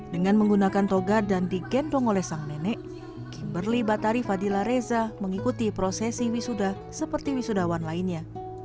dengan menggunakan toga dan digendong oleh sang nenek kimberly batari fadila reza mengikuti prosesi wisuda seperti wisudawan lainnya